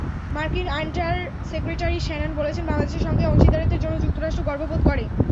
মার্কিন under secretary Shannon বলেছেন, বাংলাদেশের সঙ্গে অংশীদারত্বের জন্য যুক্তরাষ্ট্র গর্ব বোধ করে।